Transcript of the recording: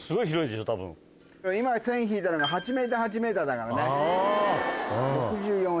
今線引いたのが８ｍ８ｍだからね。